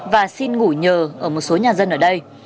và xin ngủ nhờ ở một số nhà dân ở đây